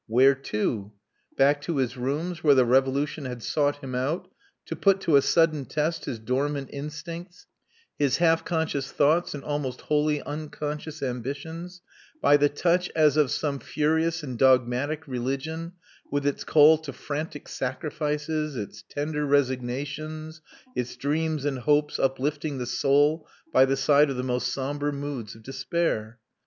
Where to? Back to his rooms, where the Revolution had sought him out to put to a sudden test his dormant instincts, his half conscious thoughts and almost wholly unconscious ambitions, by the touch as of some furious and dogmatic religion, with its call to frantic sacrifices, its tender resignations, its dreams and hopes uplifting the soul by the side of the most sombre moods of despair.